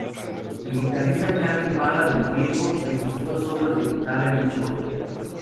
El guitarrista Charlie Parra del Riego registró solos de guitarra en dicho material.